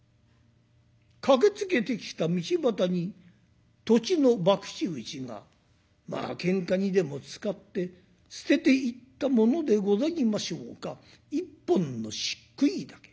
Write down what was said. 駆けつけてきた道端に土地のばくち打ちがまあけんかにでも使って捨てていったものでございましょうか一本の漆喰竹。